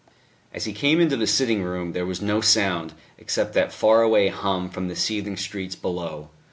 As he came into the sitting room, there was no sound, except that far away hum from the seething streets below.